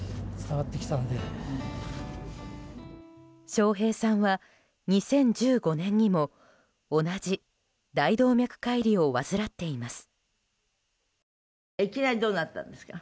笑瓶さんは２０１５年にも同じ大動脈解離を患っています。